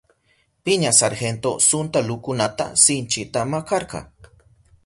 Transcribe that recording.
Piña sargento suntalukunata sinchita makarka.